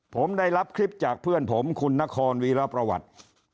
ผมได้รับคลิปจากเพื่อนผมคุณนครวีรประวัติ